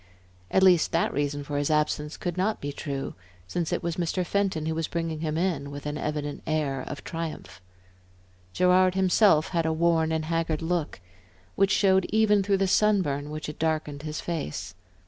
At least that reason for his absence could not be true, since it was Mr. Fenton who was bringing him in, with an evident air of triumph. Gerard himself had a worn and haggard look, which showed even through the sun burn which had darkened his face.